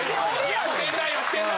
やってんなやってんな！